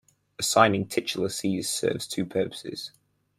Assigning titular sees serves two purposes.